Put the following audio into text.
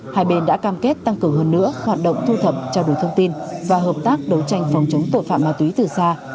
hai bên đã cam kết tăng cường hơn nữa hoạt động thu thập trao đổi thông tin và hợp tác đấu tranh phòng chống tội phạm ma túy từ xa